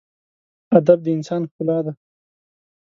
ادب د انسان ښکلا ده.